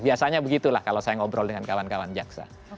biasanya begitulah kalau saya ngobrol dengan kawan kawan jaksa